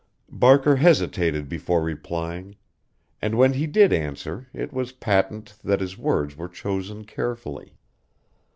Barker hesitated before replying, and when he did answer it was patent that his words were chosen carefully.